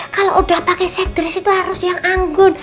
kalau udah pake set dress itu harus yang anggun